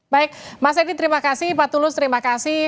baik mas edi terima kasih pak tulus terima kasih